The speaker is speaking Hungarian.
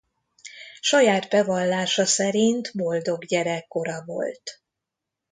Saját bevallása szerint boldog gyerekkora volt.